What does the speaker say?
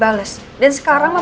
akhirnya aku rebecca